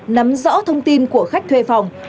nắm rõ thông tin của khách thuê phòng